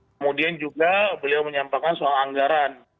kemudian juga beliau menyampaikan soal anggaran